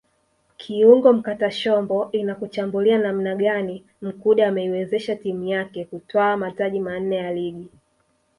Kiungo mkatashombo inakuchambulia namna gani Mkude ameiwezesha timu yake kutwaa mataji manne ya Ligi